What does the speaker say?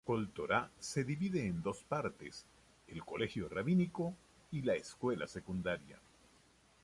Kol Torá se divide en dos partes, el colegio rabínico y la escuela secundaria.